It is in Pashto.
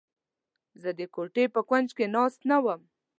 زه د کوټې په کونج کې ناست نه وم.